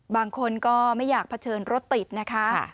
บางคนก็ไม่อยากเผชิญรถติดนะคะ